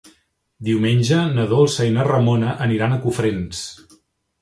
Diumenge na Dolça i na Ramona aniran a Cofrents.